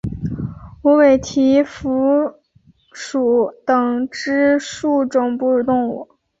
无尾蹄蝠属等之数种哺乳动物。